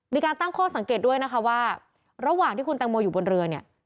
มีการตั้งข้อสังเกตด้วยนะคะว่าระหว่างที่คุณแตงโมอยู่บนเรือเนี่ย